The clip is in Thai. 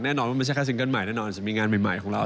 แน่นอนว่าไม่ใช่ค่าซิงเกิ้ลใหม่แน่นอนจะมีงานใหม่ของเรา